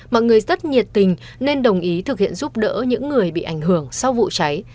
mọi người rất nhiệt tình nên đồng ý thực hiện giúp đỡ những người bị ảnh hưởng sau vụ cháy